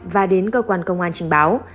và đến cơ quan công an trình báo